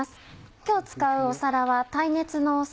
今日使う皿は耐熱の皿。